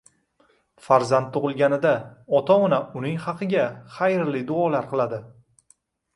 Farzand tug‘ilganida ota-ona uning haqiga xayrli duolar qiladi.